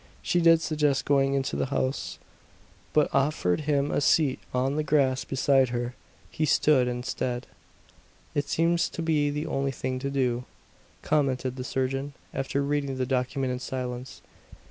She did suggest going into the house, but offered him a seat on the grass beside her. He stood instead. "It seems to be the only thing to do," commented the surgeon, after reading the document in silence.